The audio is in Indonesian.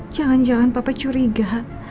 jangan jangan papa curiga